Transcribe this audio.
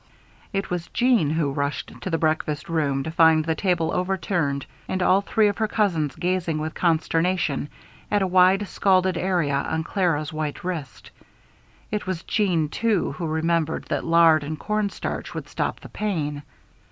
It was Jeanne who rushed to the breakfast room to find the table overturned and all three of her cousins gazing with consternation at a wide scalded area on Clara's white wrist. It was Jeanne, too, who remembered that lard and cornstarch would stop the pain.